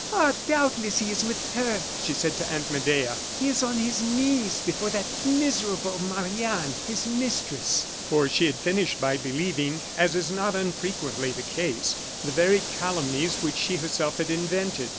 "Ah! doubtless he is with her," she said to Aunt Medea. "He is on his knees before that miserable Marie Anne his mistress." For she had finished by believing as is not unfrequently the case the very calumnies which she herself had invented.